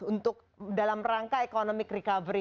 untuk dalam rangka economic recovery